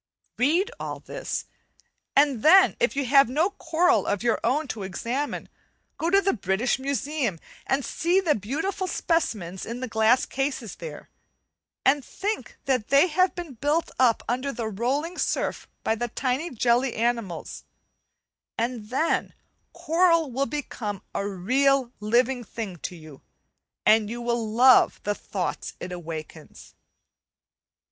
Read all this, and then if you have no coral of your own to examine, go to the British Museum and see the beautiful specimens in the glass cases there, and think that they have been built up under the rolling surf by the tiny jelly animals; and then coral will become a real living thing to you, and you will love the thoughts it awakens.